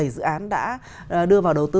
bảy dự án đã đưa vào đầu tư